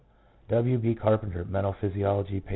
B. Carpenter, Mental Physiology, pp.